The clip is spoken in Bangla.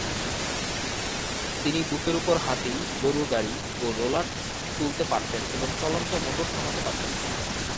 তিনি বুকের উপর হাতি, গরুর গাড়ি ও রোলার তুলতে পারতেন এবং চলন্ত মটর থামাতে পারতেন।